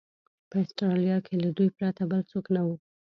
په اسټرالیا کې له دوی پرته بل څوک نه و.